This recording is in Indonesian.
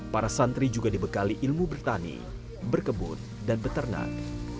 para santri juga dibekali ilmu bertani berkebun dan beternak